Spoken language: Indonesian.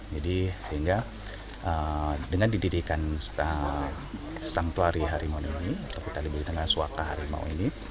jadi sehingga dengan didirikan sanktuari harimau ini kita libur dengan suaka harimau ini